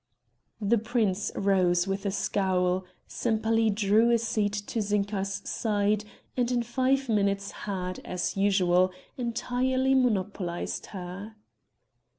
The prince rose with a scowl, Sempaly drew a seat to Zinka's side and in five minutes had, as usual, entirely monopolized her.